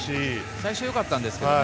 最初は良かったんですけどね。